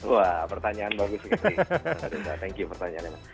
wah pertanyaan bagus sekali thank you pertanyaannya